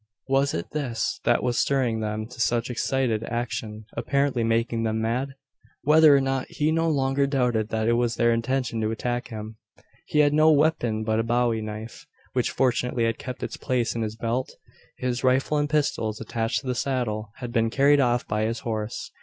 Was it this that was stirring them to such excited action apparently making them mad? Whether or not, he no longer doubted that it was their intention to attack him. He had no weapon but a bowie knife, which fortunately had kept its place in his belt. His rifle and pistols, attached to the saddle, had been carried off by his horse.